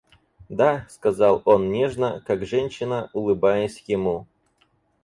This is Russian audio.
Да, — сказал он, нежно, как женщина, улыбаясь ему.